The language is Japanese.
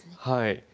はい。